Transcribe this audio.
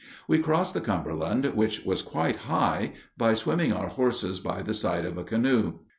We crossed the Cumberland, which was quite high, by swimming our horses by the side of a canoe.